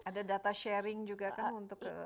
ada data sharing juga kan untuk